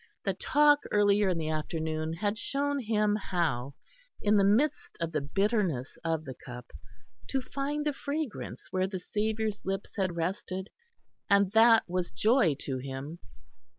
The talk earlier in the afternoon had shown him how, in the midst of the bitterness of the Cup, to find the fragrance where the Saviour's lips had rested and that was joy to him.